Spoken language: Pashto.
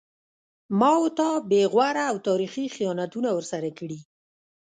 ما و تا بې غوره او تاریخي خیانتونه ورسره کړي